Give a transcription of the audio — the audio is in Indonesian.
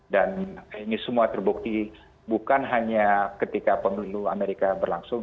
dan ini semua terbukti bukan hanya ketika pemilu amerika berlangsung